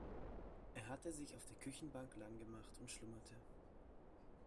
Er hatte sich auf der Küchenbank lang gemacht und schlummerte.